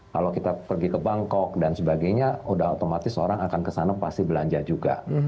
kalau kita pergi ke bangkok dan sebagainya sudah otomatis orang akan kesana pasti belanja juga